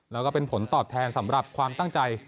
แล้วก็เป็นผลตอบแทนสำหรับความตั้งใจ